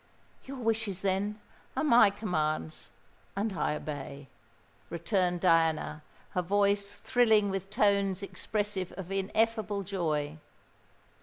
"Your wishes, then, are my commands—and I obey," returned Diana, her voice thrilling with tones expressive of ineffable joy.